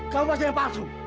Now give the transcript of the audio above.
kamu pasti yang palsu